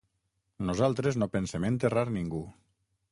Nosaltres no pensem enterrar ningú.